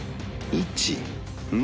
１・２！